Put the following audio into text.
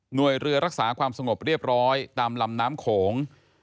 โดยเรือรักษาความสงบเรียบร้อยตามลำน้ำโขง